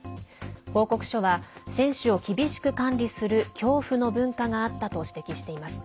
報告書は選手を厳しく管理する恐怖の文化があったと指摘しています。